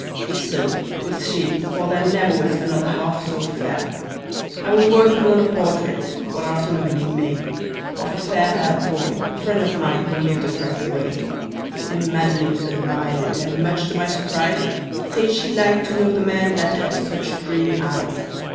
If so, 'twas she, for there never was another half so fair. "I was working on a portrait, one afternoon in May, Of a fair haired boy, a friend of mine, who lived across the way. And Madeline admired it, and much to my surprise, Said she'd like to know the man that had such dreamy eyes.